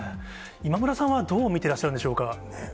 今村さんはどう見てらっしゃるんでしょうか。